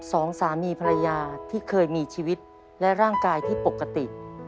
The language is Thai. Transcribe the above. สองสามีภรรยาที่เคยมีชีวิตและร่างกายที่ปกติ